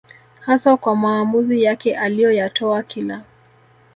hasa kwa maamuzi yake aliyoyatoa kila